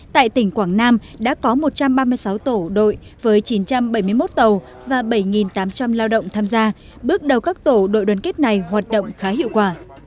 tại tỉnh quảng nam đã có một trăm ba mươi sáu tổ đội với chín trăm bảy mươi một tàu và bảy tám trăm linh lao động tham gia bước đầu các tổ đội đoàn kết này hoạt động khá hiệu quả